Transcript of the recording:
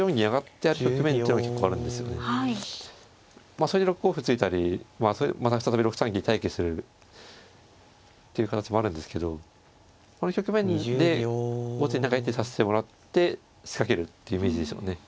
まあそれで６五歩突いたりまた再び６三に待機するっていう形もあるんですけどこの局面で後手に何か一手指してもらって仕掛けるっていうイメージでしょうね。